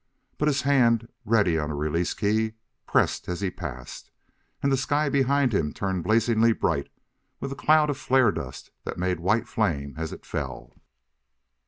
But his hand, ready on a release key, pressed as he passed, and the sky behind him turned blazing bright with the cloud of flare dust that made white flame as it fell.